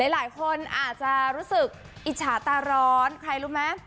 หลายคนอาจจะรู้สึกอิจฉาตาร้อนใครรู้ไหม